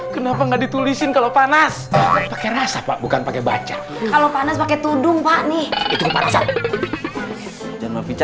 kenapa nggak ditulisin kalau panaserasa pak bukan pakai baja utilizasi